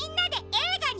えいがに？